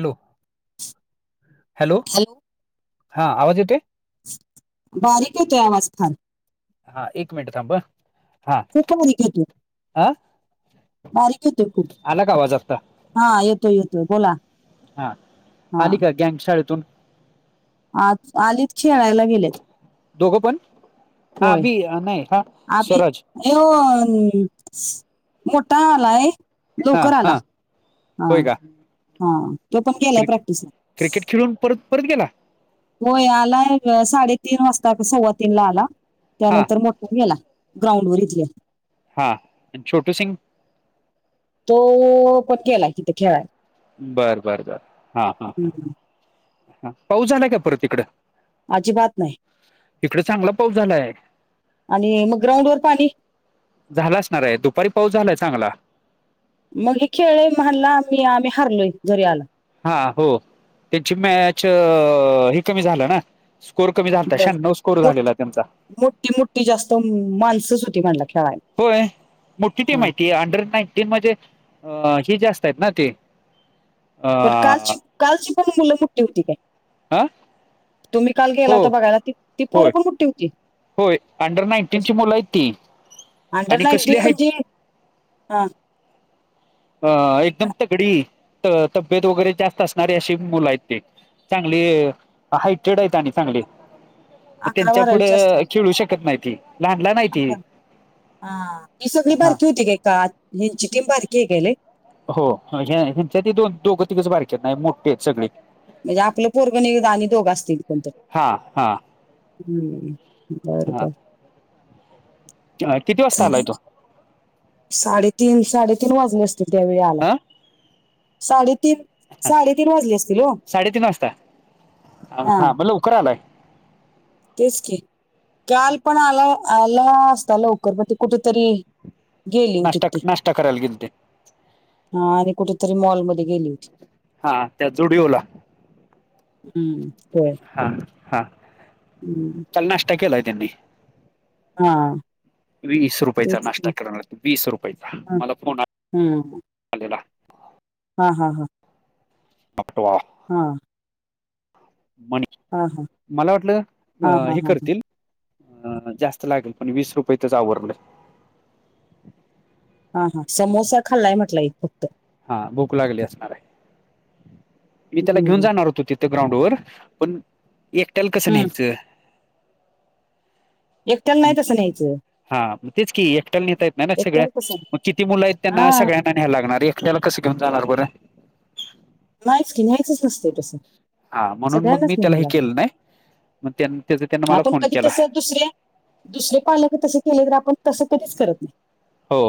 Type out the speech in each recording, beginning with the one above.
Hello hello हा आवाज येते बारीक होेतो आवाजथान हा एक मिनिट थांब हा खूप बारीक येतो हा बारीक येतो खूप आला का आवाज आत्ता हा येतोय येतोय बोला हा हा आली का गँगशाळेतून आ आलीच खेळायला गेलेत दोघं पण हा बी नाही ह अभी ये मोठा आलाय हा लोकर आला हा हा होय का हा तो पण केलाय क्रि प्रॅक्टिसला क्रिकेट खेळून परत परत गेला होय आलाय साडेतीीन वाजता सव्वा तीन ला आला हा त्यानंतर मोठा याला ग्राउंड वरच या हा छोटो सिंग तो पण केला किथ खेळाय बरं बर बर हा हा ह हम्म. हा पाऊ झालाय का परत तिकडं अजी बात नाही चांगला पाऊस झालाय आणि मग ग्राउंड वर पाणी झाला असणार आहे दुपारी पाऊस झालाय चांगला मग खेळ म्हणला आम्ही आम्ही हारलोय घरी आला हा हो त्याची मॅच ह कमी झालं ना स्कोर कमी झालता शहाण्णव स्कोर झालेला त्यांचा ती मुठी जास्त माणसच होती म्हणला खेळा होय मोठी ती माहिती आहे अंडर नाईन्टीन म्हणजे अ हे जास्त आहेत ना ते अ पण कालची कालची पण मुलं मोठी होती काय आं तुम्ही काल गेला होता बघायला ती पोर होय पण मोठी होती होय अंडर नाईन्टीन ची मुलं आहेत ती अंडर आणि कसली नाईन्टीन म्हणजे आहेत हा अ एकदम तगडी तब्येत वगैरे जास्त असणारे अशी मुलं आहेत ते चांगली हायटेड आहेत आणि चांगली मग अकरा त्यांच्या बारावीची पुढं असतील खेळू शकत नाहीती लहानला नाहीती अकरा. हा ही सगळी बारकीी होती काे का हिंचिटीम बारकी गेले हो हच्या दोन दोघं तिघच बारकीेत नाही मोठे आहेत सगळे म्हणजे आपलं पोरग निदा आणि दोघं असतील कोणत हा हा हम्म बर हा बर किती वाजता आलाय चालेल तो साडेतीन साडेतीन वाजले असतील त्यावेळी आला हा साडेतीन साडेतीन वाजले असतील हो ह मला उकर आलाय तेच क काल पण आला आला असता लवकर प ते कुठेतरी गेली होती नष्ट ती नष्ट कररालगेत हा आणि कुठेतरी मॉलमध्ये गेली होती हा त्या जुडिओला हम्म होय हा हा हम्म काल नाश्ता केलाय त्यांनी हा वीस रुपयाचा तेच की. नाश्ता करणार वीस रुपयाचा हा मला हम्म. फोनलेला हा हा हां मक्टवा हम मनीष हा मला वाटलं हा हा हे हा करतील अ जास्त लागल पण वीस रुपयेतच आवरलं हा हा समोसा खाल्लाय म्हटलाय एक फक्त हा भूक लागली असणार आहे मी त्याला हम्म घेऊन जाणार होतो तिथ ग्राउंड वर पण एकट्याला कसं हम्म न्यायचं एकट्याला नाही तसं न्यायचं हा मग तेच की एकट्याला नेता येत नाही ना सगळ्या एकट्याला कसं मग किती मुलं आहेत त्यांना हा सगळ्यां न्यायला लागणार एकटयाला कस घेऊन जाणार बरं नाहीच की न्यायच नसतय तस हा म्हणून मग मी त्याला हे केलं नाही मग त्याच त्यांन मला आपण फोन कधी केला तसं दुसरे दुसरे पालक तस केले तर आपण तसं कधीच करत नाही हो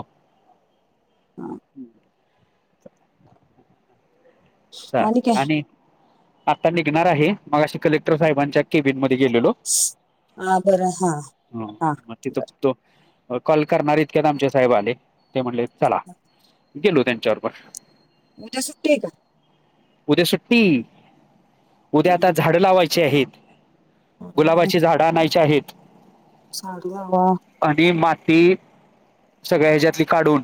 हा. हम्म चल आणि आता निघणार आहे मगाशी हा बरं हा हा मग तिथं बर तो कॉल करणार इतक्यात आमचे साहेब आले ते म्हणले चला गेलो त्यांच्या बरोबर उद्या सुट्टी आहे का उद्या सुट्टी उद्या आता झाडं गुलाबाची झाडं आणायची आहेत साडी लावा आणि माती सगळ्या ह्याच्यातली काढून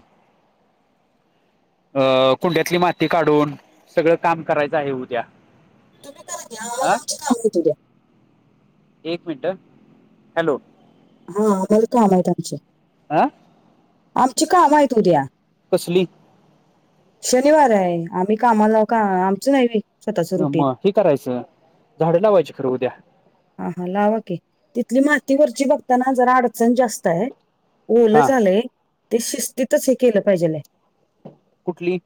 अं कुंड्यातली माती काढून सगळं काम करायचं आहे उद्या तुम्ही करा की आम्हाला हा आमची काम आहेत उद्या एक मिनट हॅलो हा लय काम आहेत आमची आं आमची काम आहेत उद्या कस शनिवार आहे आम्ही कामाला का आमचं नाही व्हय मग हे करायचं झाड लावायची खरं उद्या हा हा लावा की तिथली मातीवरची बघताना जरा अडचण जास्त आहे ओलं हा झालय ते शिस्तीतच हे केलं पाहिजेलाय कुठली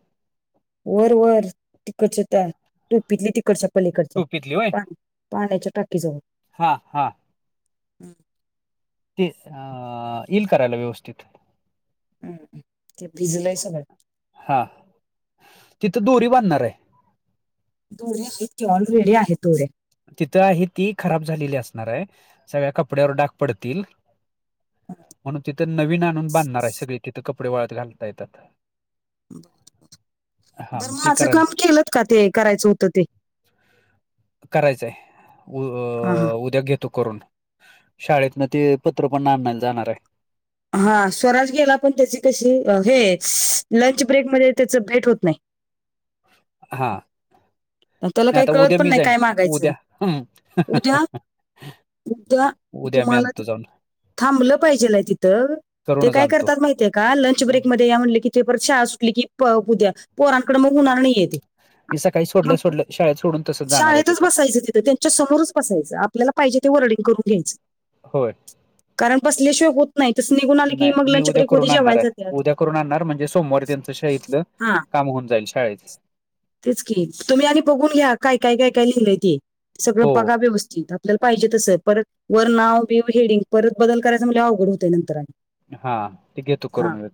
वर वर तिकडच्या त्या टोपीतली तिकडच्या पलीकडच्या टोपीतली होय पण पाण्याच्या टाकी जवळ हा हां तेच येईल करायला व्यवस्थित हम् ते भिजलय सगळ हा तिथं दोरी बांधणार आहे दोरी आहेत की ऑलरेडी आहेत दोऱ्या तिथं आहे ती खराब झालेली असणार आहे सगळ्या कपड्यावर डाग पडतील म्हणून तिथं नवीन आणून बांधणार आहे सगळी तिथ कपडे वळत घालता येतात हा बर मग ती मांझ काम करायला केलंत का ते करायचं होतं ते करायचंय हा हा उद्या घेतो करून शाळेतन ते पत्र पण आणायला जाणार आहे हा स्वराज गेला पण त्याची कशी हे लंच ब्रेकमध्ये त्याच भेट होत नाही हा त्याला नाही काही आता कळत उद्या पण मी नाही जाईन काय मागायचं उद्या हं उद्या उद्या उद्या मी तुम्हाला ते आणतो जाऊन थांबलं पाहिजेलाय तिथं ते करूनच काय आणतो करतात माहितीये का लंच मी ब्रेकमध्ये या म्हणले की तेे परत शाळा सुटली की उद्या पोरांकडे मग होणार नाहीयेत मी काही सोडल्या सोड शळेत सोडून. तसंच जाणार आहे शाळेतच तिथं बसायचं तिथं त्यांच्या समोरच बसायचं आपल्याला पाहिजे ते वर्डिंग करून घ्यायचं. होय. कारण बसल्याशिवाय होत नाही तसं निघून आले की नाही मग मी लंच उद्या ब्रेक मध्ये करून आणणार जेवायला आहे जातात उद्या करून आणणार म्हणजे सोमवार त्यां. त शाळतलं हा काम होऊन जाईल शाळेत. तेच की तुम्ही आणि बघून घ्या काय काय काय काय लिहिलंय ते सगळं हो पगा व्यवस्थित. बल पाहिजे तसं परत वर नाव बी हेडिंग परत बदल करायचा म्हज अवघड होतें नंतर आणि. हा ते घेतो करोना.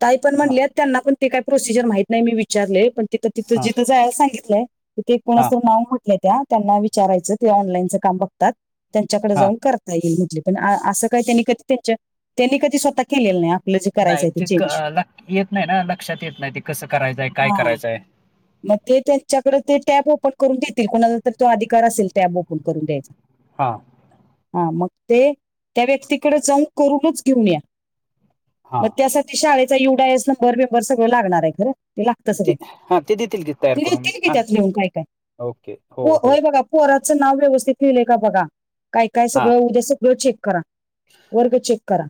काही पण म्हणले त्यांना पण ते का प्रोसिजर माहत नाही मी विचारले पण त. त हा तुझि तुझं आहेला सांगितलंय तिथ क कोणा हा नाव. त्या त्यांना विचारायचं ते ऑनलाईनच काम बघतात त्यांच्याकडे हा जाऊन करत. येईल म्हटले पण असं काय त्यांनी कधी त्यां त्यांनी कधी स्वतः केलेलं नाही. आपलं जे नाही करायचं ते क- चेंज. लक- येत नाही ना लक्षात येत नाही ते कसं करायचंय काय हा करायचंय. मग ते त्यांच्याकडे ते टॅब ओपन करून देतील कोणाचा तो अधिकार असेल टॅब ओपन करून द. हां. हा मग ते त्या व्यक्तीकडे जाऊन करूनच घेऊन या. हा मग त्यासाठी शाळेचा युडाएस नंबर बेंबर सगळं लागणार आहे खरं. ते लागत ते सगळं हा ते देतील की तयार करून तुतील की त्यात आणतो नेऊन काय काय हो होय बघा. पोराचं नाव व्यवस्थित ठेलंय का बघा काय काय हा सगळं उद्या सगळं चेक करा. वर्ग चेक करा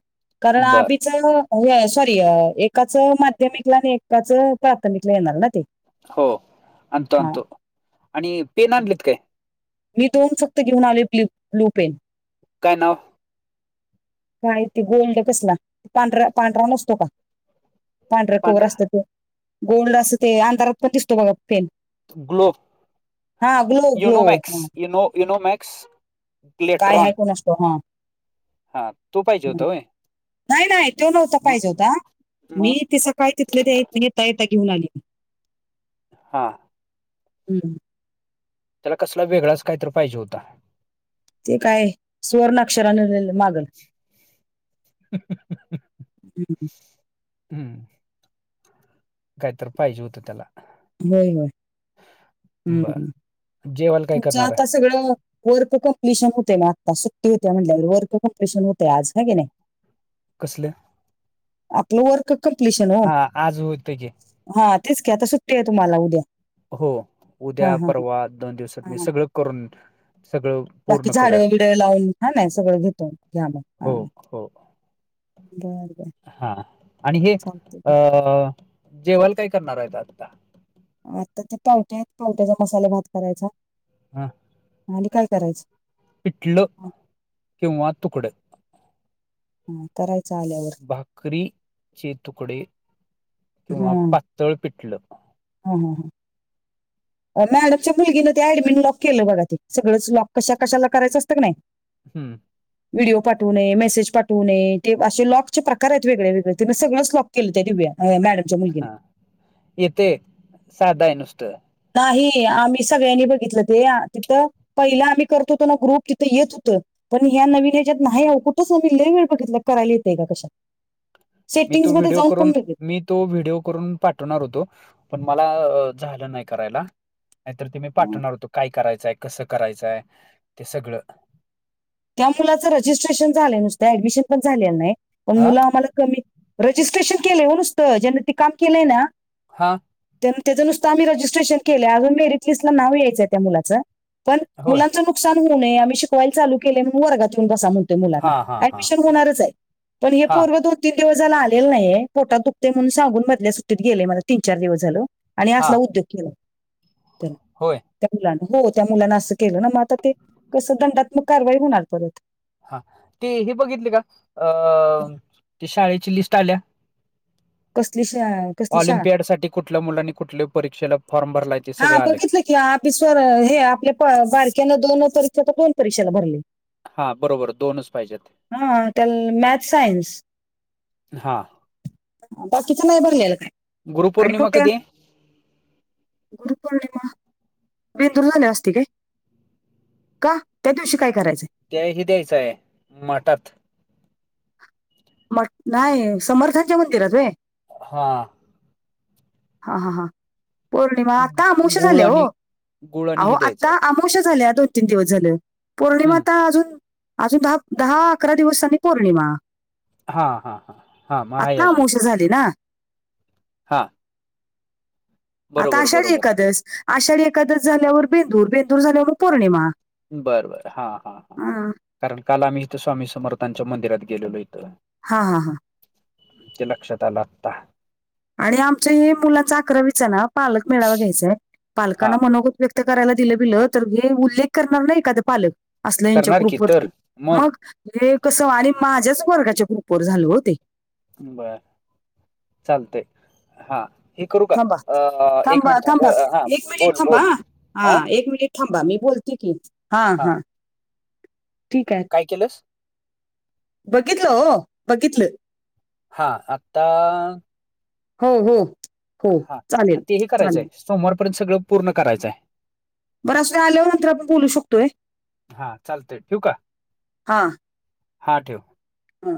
बर करणार अ. सॉरी एकाच माध्यमिकला आणि एकाच प्राथमिकला येणार ना ते. हो अंतो हा आणतो आणि पेन आणलेत काय. मी दोन फक्त घेऊन आलो लूपेन. कायनाव. काय ते गोल्ड कसला पांढरा पांढरा नसतो का पांढर कवर पांढरा असतं ते. गोल्ड असं ते अंधारात पण तिसतो बघा पेन. ग्लोब. हा ग्लो ग्लो यनोमॅक्स हा युनोमॅक्स काय ग्लेट्रॉन. आहे कोण असतो हा हा तू पाहिजे होत हं. वय. नाही नाही तो नव्हता पाहिजे होता मग मी तिसं काय तिथले ते येत नाही येता येता घेऊन आली. हां. हम्म. त्याला कसला वेगळाच काहीत पाहिजे होता. ते काय स्वर्णक्षरने मागल. हम्. हम्म. काहीत पाहिजे होतं त्याला. होय होय बर हम् जेवायला काय तुमचं करणार आता आहे सगळं. वर्क कंप्लिशन होते ना आत्ता सुट्टी होते म्हटल्या वर् कं्प्िशन होते आज कागे नाही. कसलं. आपलं वर्क क्प्लीशन हो. हा आज होतं की हा तेच ख्या आता सुट्टी आहे तुम्हाला उद्या. हो हा उद्या हा हा, परवा दोन दिवसात हा म हा. सगळं करून सगळं. बाकी पूर्ण करूया झाडं बड लावून हा नाही सगळं घेतो घ्या ब हा. हो हो बर बर हा आणि हे चालतंय अ. जेवाल काही करणार आहेत आत्ता. आता ते पावट्या आहेत पावट्याचा मसाले भात करायचा. हा. आणि काय करायचं? पिठलं हा किंवा तुकड. हा करायचं आल्यावर. भाकरी चे तुकडे हा किंवा पातळ पिटलं. हा हा ह [inaudible] मॅडमच्या मुलगीनं ते ऍडमिट लॉक केलं बघा ते सगळंच लॉक कशा कशाला करायचं असतं का नाही. हम्म. व्हिडिओ पा किले त्या दिव्या अ मॅडम हा येते साधं आहे नुसतं. नाही आम्ही सगळ्यांनी बघितलं ते तिथं पहिला आम्ही करतो होतो ना ग्रुप तिथं येत होतं. पण ह्या नवीन हेज्यात नाही ओ कुठंच आम्ही लई वेेळ बघितल करायला येते का कशात. मी सेटिंग्स तो मध्ये व्हिडिओ जाऊन करून पण लगेल. मी तो व्हिडिओ करून पाठवणार होतो पण मला झालं नाही करायला. नाहीतर ते मी पाठवणार होतो काय करायचंय कसं करायचंय ते सगळं. त्या मुलाचं रजिस्ट्रेशन झालं नुसत ऍडमिशन पण झालेलं नाही पण हा मुलं आम्हाला कमी रजिस्ट्रेशन केलं हो नुसतं ज्यांना ते काम केलंय ना. हा. तेन तेज नुसता आम्ही रजिस्ट्रेशन केलं अजून मेरिटलिस्ट ला नाव यायचंय त्या मुलाचं. पण होय मुलांचं नुकसान होऊ नये आम्ही शिकवायला चालू केले म्हणून वर्गात येउन बसा म्हन मुलांना हा हा हा ऍडमिशन होणारचाय पण हे हा पोर दोन तीन दिवस झालं आलेला नाहीए. पोटात दुखते म्हणून सांगून मधल्या सुट्टीत गेलेयं मला तीन, चार दिवस झालं. आणि हा असला उद्योग केलाय तेनं. होय. त्या मुलांना हो त्या मुलांना असं केलं ना म आता ते कसं दंडात्मक कारवाई होणार परत. हा ते हे बघितले का अ ते शाळेची लिस्ट आल्या. कसली? शा कसली शाळा ऑलंम्पियाडसाठी कुठल्या मुलांनी कुठल्या परीक्षेला फॉर्म भरलाय. ते हा सगळं आलंय बघितलं की आपिसवर हे आपल्या बारक्यानं दोन परीक्षा तर दोन परीक्षेला भरलय. हा बरोबर दोनच पाहिजेत हा. त्याल मॅथ्स, सायन्स. हा बाकीच नाही भरलेला काय आणि गुरुपौर्णिमा मोठ्या कधी आहे गुरपौर्णिमा, बेंदुर आल्यावर असती काय? का त्या दिवशी काय करायचंय? त्या हे द्यायचंय माठात. मट नाही समर्थांच्या मंदिरात वय. हा. हा, हा, हां. पौर्णिमा आता अमोवशा गूळ झालीया हो. आणि गूळ आणि आहो हे द्यायचं आता अम आमुशा झालीया दोन तीन दिवस झालं. पौर्णिमा हम्म आता अजून अजून दहा दहा अकरा दिवसांनी पौर्णिमा. हा हा हा हा मग आहे आत्ता अमावशा झाली ना. हां. आता आषाढी बरोबर एकादस, आषाढी एकादस झाल्यावर बेंदूर, बेंदूर झाल्यावर पौर्णिमा. बरं बर हां हा अ हां, कारण काल आम्ही इथं स्वामी समर्थांच्या मंदिरात गेलेलो इथं हां हा हां. ते लक्षात आलं आता. आणि आमच्याही मुलाचा अकरावीचा ना पालक मेळावा घ्यायचाय हा पालकांना मनोगत व्य क्त करायला दिलं बिलं तर हे उल्लेख करणार नाही का ते पालक. असलं यांच्या करणार की तर ग्रुपवरती मग हे कस आणि माझ्याच वर्गाच्या ग्रुपवर झाल हो ते. बर, चालतयं. हा. हे करू का थांबा, अ एक थांबा, मिनिट थांब थांबा. अ, हा एक बोल मिनिट थांबा बोल हा. एक मिनिट थांबा. मी बोलते की, हा, हा. ठीक हाय. काय केलसं? बघितलं ओ. बघितलं. हा. आता हो. हो हो. हा चालेल, आणि ते हे करायचंय चालेल. सोमवारपर्यंत सगळं पूर्ण करायचायं. बर असुदे, आल्यावर मात्र आपण बोलू शकतोय. हा चालतंय ठेवू का हा. हा. ठेव. हा.